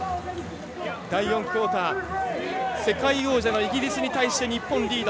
第４クオーター世界王者のイギリスに対して日本リード。